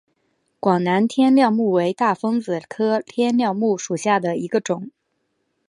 广南天料木为大风子科天料木属下的一个种。